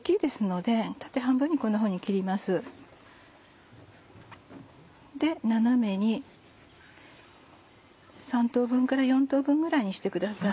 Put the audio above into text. で斜めに３等分から４等分ぐらいにしてください。